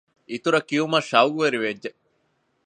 އިތުރަށް ކިޔެވުމަށް ޝަައުޤުވެރިވެއްޖެ